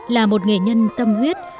là một nghề nhân tâm huyết